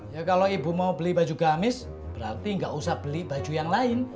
ya kalau ibu mau beli baju gamis berarti nggak usah beli baju yang lain